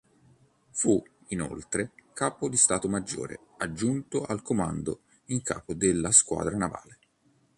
Fu, inoltre, Capo di Stato Maggiore Aggiunto al Comando in Capo della Squadra Navale.